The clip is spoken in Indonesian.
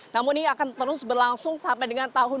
namun ini akan terus berlangsung sampai dengan tahun dua ribu dua puluh